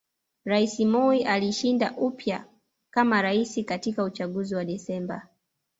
Rais Moi alishinda upya kama Rais katika uchaguzi wa Desemba